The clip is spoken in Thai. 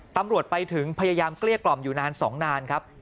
ตำรวจไปถึงพยายามเกลี้ยกล่อมอยู่นาน๒นานครับ